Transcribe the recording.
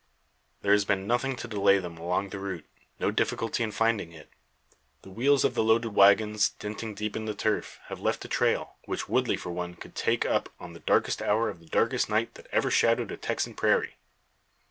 There has been nothing to delay them along the route no difficulty in finding it. The wheels of the loaded waggons, denting deep in the turf, have left a trail, which Woodley for one could take up on the darkest hour of the darkest night that ever shadowed a Texan prairie.